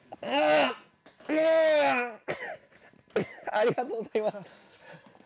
ありがとうございます。